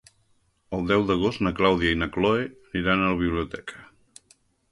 El deu d'agost na Clàudia i na Cloè aniran a la biblioteca.